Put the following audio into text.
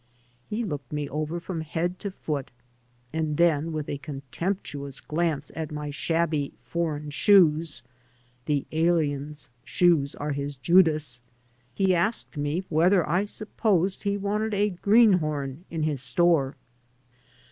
He looked me over from head to foot, and then, with a contemptuous glance at my shabby foreign shoes (the alien's shoes are his Judas), ^ he asked me whether I supposed he wanted a greenhorn 1 in his store.